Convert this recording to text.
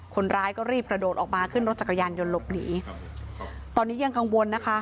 คนร้ายก็รีบกระโดดออกมาขึ้นรถจักรยานยนต์หลบหนีตอนนี้ยังกังวลนะคะ